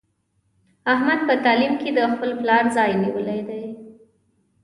احمد په تعلیم کې د خپل پلار ځای نیولی دی.